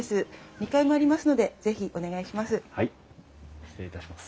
２階もありますので是非お願いします。